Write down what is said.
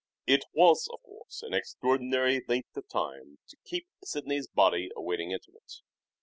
It was, of course, an extraordinary length of time to keep Sidney's body awaiting interment.